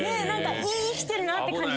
生きてるなって感じ。